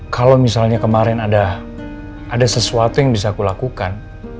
kalau misalnya kemarin ada sesuatu yang bisa aku lakukan